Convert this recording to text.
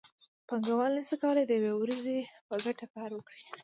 پانګوال نشي کولی د یوې ورځې په ګټه کار وکړي